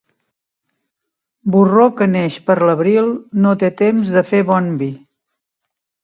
Borró que neix per l'abril no té temps de fer bon vi.